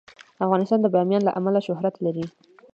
افغانستان د بامیان له امله شهرت لري.